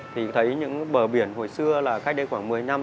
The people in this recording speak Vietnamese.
thì thấy những bờ biển hồi xưa là cách đây khoảng một mươi năm